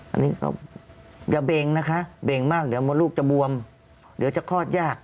อันนี้ก็จะเบ่งนะคะเบ่งมากเดี๋ยวมดลูกจะบวมเดี๋ยวจะคลอดยาก